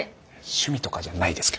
趣味とかじゃないですけど。